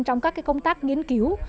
trong các công tác nghiên cứu